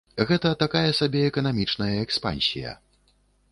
Гэта такая сабе эканамічная экспансія.